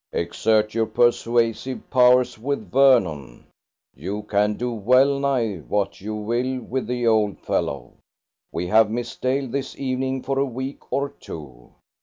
"Exert your persuasive powers with Vernon. You can do well nigh what you will with the old fellow. We have Miss Dale this evening for a week or two.